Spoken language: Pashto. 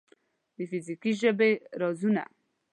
د فزیکي ژبې رازونه